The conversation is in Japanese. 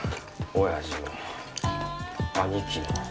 おやじも兄貴も。